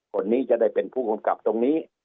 คนนี้จะได้เป็นผู้กำกับตรงนี้